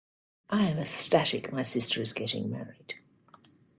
I am ecstatic my sister is getting married!.